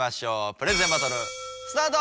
プレゼンバトルスタート！